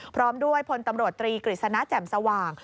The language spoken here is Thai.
พร้อมด้วยพลตำรวจตรีกฤษณะแจ่มสว่าง